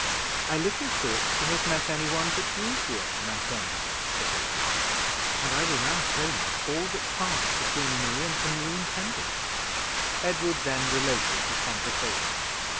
"I little thought to have met any one but you here when I came," said Edward; "and I will now tell you all that passed between me and the new intendant." Edward then related the conversation.